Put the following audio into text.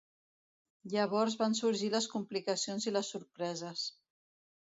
Llavors van sorgint les complicacions i les sorpreses.